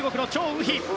ウヒ。